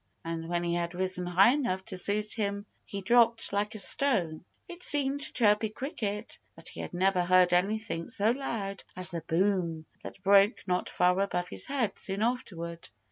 And when he had risen high enough to suit him he dropped like a stone. It seemed to Chirpy Cricket that he had never heard anything so loud as the boom that broke not far above his head soon afterward.